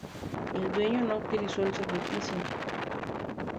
El dueño no autorizó el sacrificio.